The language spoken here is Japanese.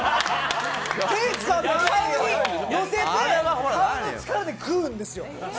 手を使わずに顔にのせて顔の力で食うんですよ。